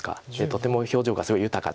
とても表情がすごい豊かで。